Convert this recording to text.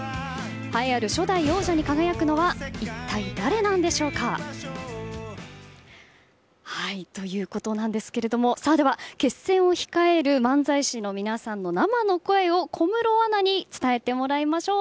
栄えある初代王者に輝くのはいったい誰なんでしょうか。ということなんですがでは、決戦を控える漫才師の皆さんの生の声を小室アナに伝えてもらいましょう。